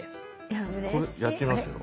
やってみますよ。